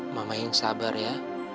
mama yang sabar ya